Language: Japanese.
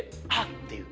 っていう。